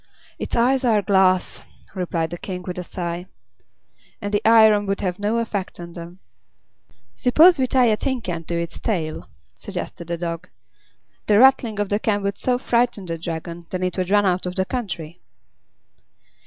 "Its eyes are glass," replied the King with a sigh, "and the iron would have no effect on them." "Suppose we tie a tin can to its tail," suggested the Dog. "The rattling of the can would so frighten the Dragon that it would run out of the country."